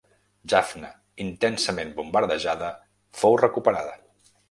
Jaffna, intensament bombardejada, fou recuperada.